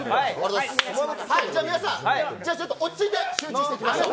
皆さん落ち着いて集中していきましょう。